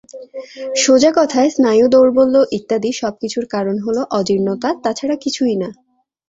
সোজা কথায়, স্নায়ুদৌর্বল্য ইত্যাদি সব কিছুর কারণ হল অজীর্ণতা, তাছাড়া কিছুই না।